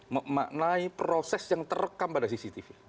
memaknai proses yang terekam pada cctv